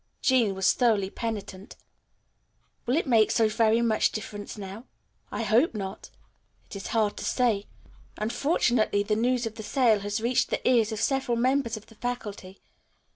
Jean was thoroughly penitent. "Will it make so very much difference now?" "I hope not. It is hard to say. Unfortunately the news of the sale has reached the ears of several members of the faculty.